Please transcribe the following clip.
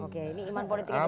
oke ini iman politiknya kuat